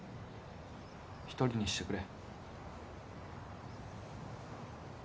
一人にしてくれ。